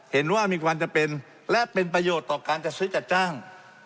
เห็นว่ามีความจำเป็นและเป็นประโยชน์ต่อการจัดซื้อจัดจ้าง